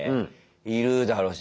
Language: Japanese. いるだろうし。